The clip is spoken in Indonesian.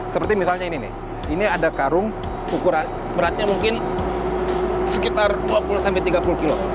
seperti misalnya ini nih ini ada karung ukuran beratnya mungkin sekitar dua puluh sampai tiga puluh kilo